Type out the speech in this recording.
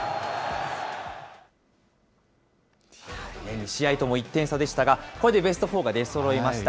２試合とも１点差でしたが、これでベストフォーが出そろいました。